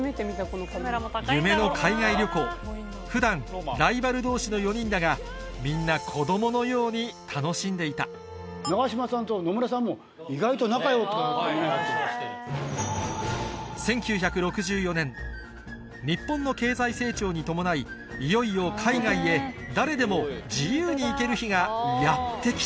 夢の海外旅行普段ライバル同士の４人だがみんな子供のように楽しんでいた日本の経済成長に伴いいよいよ海外へ誰でも自由に行ける日がやって来た